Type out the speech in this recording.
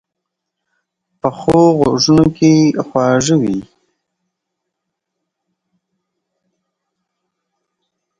پخو غږونو کې خواږه وي